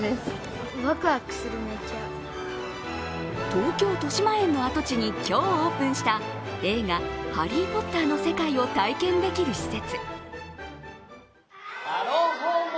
東京としまえんの跡地に今日、オープンした映画「ハリー・ポッター」の世界を体験できる施設。